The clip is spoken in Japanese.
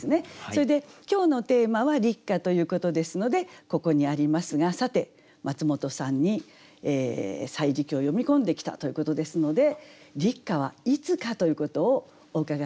それで今日のテーマは「立夏」ということですのでここにありますがさてマツモトさんに「歳時記」を読み込んできたということですので立夏はいつかということをお伺いしたいと思います。